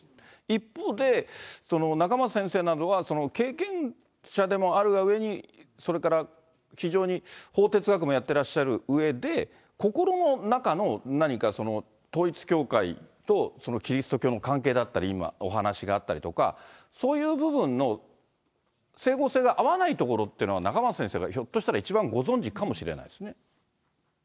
一方で、仲正先生などは、その経験者でもあるがゆえに、それから非常に法哲学もやってらっしゃるうえで、心の中の何かその、統一教会とキリスト教の関係だったり、今、お話があったりとか、そういう部分の整合性が合わないところっていうのは、仲正先生がひょっとしたら一番ご存じかもしれないですね。